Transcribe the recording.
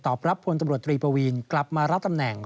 รับพลตำรวจตรีปวีนกลับมารับตำแหน่ง